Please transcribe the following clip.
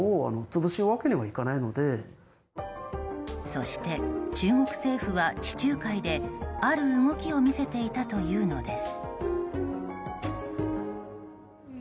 そして、中国政府は地中海である動きを見せていたというのです。